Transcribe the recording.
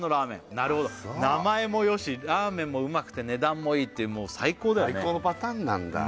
なるほど名前もよしラーメンもうまくて値段もいいってもう最高だよね最高のパターンなんだ